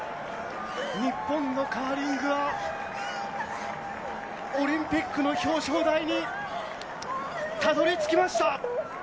日本のカーリングが、オリンピックの表彰台にたどりつきました。